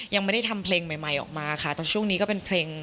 ยังไม่ได้ทำเพลงใหม่ออกมาค่ะแต่ช่วงนี้ก็เป็นเพลง